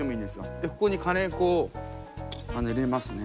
でここにカレー粉を入れますね。